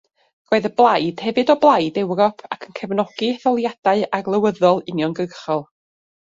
Roedd y blaid hefyd o blaid Ewrop ac yn cefnogi etholiadau arlywyddol uniongyrchol.